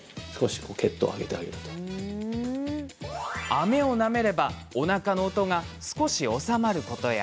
あめを食べればおなかの音が少し収まることや。